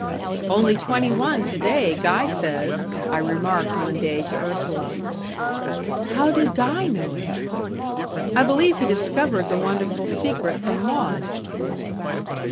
"Only twenty one to day, Guy says," I remarked one day to Ursula. "How did Guy know it?" "I believe he discovered the wonderful secret from Maud."